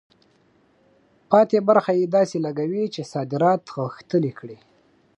پاتې برخه یې داسې لګوي چې صادرات غښتلي کړي.